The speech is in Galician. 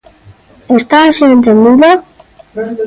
¿Está así entendido?